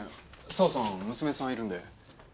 沢さん娘さんいるんで。